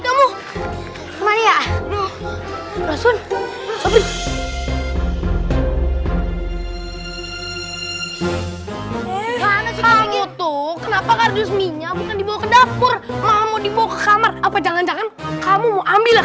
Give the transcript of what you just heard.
kamu tuh kenapa kardus minyak dibawa ke dapur mau dibawa ke kamar apa jangan jangan kamu ambillah